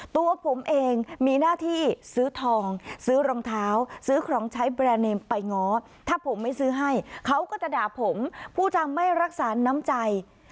ตัวผมเองมีหน้าที่ซื้อทองซื้อรองเท้าซื้อของใช้แบรนด์เนมไปง้อถ้าผมไม่ซื้อให้เขาก็จะด่าผมผู้จำไม่รักษาน้ำใจ